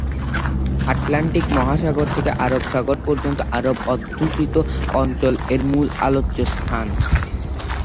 Atlantic মহাসাগর থেকে আরব সাগর পর্যন্ত আরব অধ্যুষিত অঞ্চল এর মূল আলোচ্য স্থান।